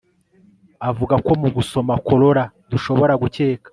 Avuga ko mugusoma corolla dushobora gukeka